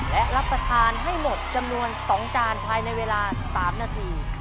และรับประทานให้หมดจำนวน๒จานภายในเวลา๓นาที